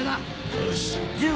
よし！